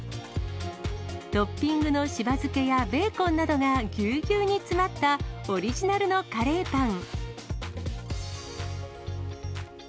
トッピングのしば漬けやベーコンなどがぎゅうぎゅうに詰まったオリジナルのカレーパン。